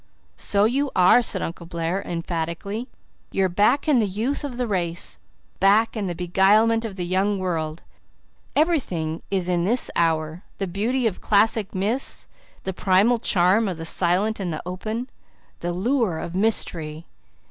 "So you are!" said Uncle Blair emphatically. "You're back in the youth of the race back in the beguilement of the young world. Everything is in this hour the beauty of classic myths, the primal charm of the silent and the open, the lure of mystery.